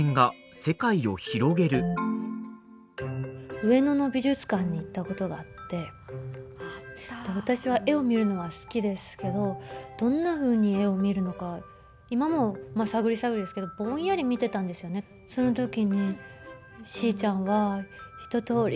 上野の美術館に行ったことがあって私は絵を見るのは好きですけどどんなふうに絵を見るのか今も探り探りですけどその時にしーちゃんは一とおり